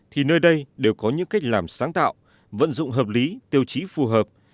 thì nơi đây đều có những cách làm sáng tạo vận dụng hợp lý tiêu chí phù hợp